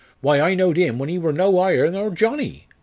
Why, I knowed 'im when he wor no 'igher nor Johnnie.